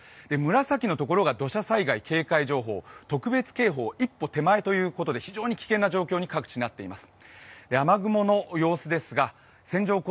紫のところが土砂災害警戒情報、特別警報一歩手前ということで非常に危険な状態に各地なっています。